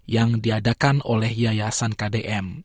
yang diadakan oleh yayasan kdm